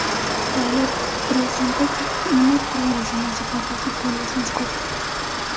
La hembra presenta una coloración más opaca y su cola es más corta.